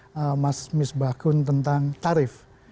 disampaikan oleh mas misbahkun tentang tarif